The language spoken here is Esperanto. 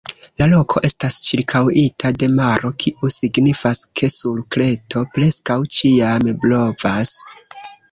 La loko estas ĉirkaŭita de maro kiu signifas, ke sur Kreto preskaŭ ĉiam blovas.